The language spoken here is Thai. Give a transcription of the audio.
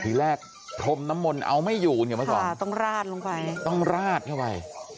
ที่แรกทรมนมนต์เอาไม่อยู่เนี่ยตั้งต้องราดลงไป